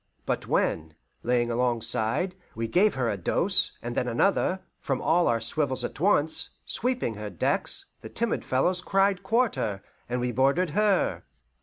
But when, laying alongside, we gave her a dose, and then another, from all our swivels at once, sweeping her decks, the timid fellows cried quarter, and we boarded her.